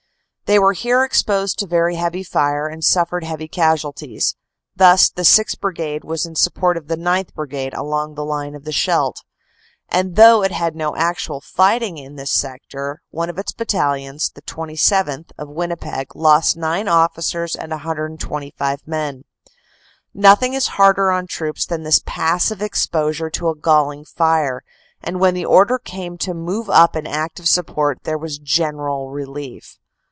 They were here exposed to very heavy fire, and suffered heavy casualties. Thus the 6th. Brigade was in support of the 9th. Brigade along the line of the Scheldt, and though it had no actual fighting in this sector, one of its Battalions, the 27th., of Winnipeg, lost nine officers and 125 men. Nothing is harder on troops than this passive exposure to a galling fire, and when the order came to move up in active support there was general relief.